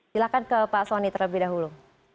silahkan ke pak soni terlebih dahulu